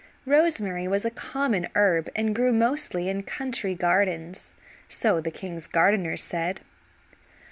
Rosemary was a common herb and grew, mostly, in country gardens, so the king's gardeners said.